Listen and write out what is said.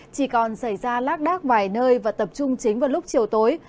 chỉ còn xảy ra lác đác vài nơi và tập trung chính vào lúc chiều tối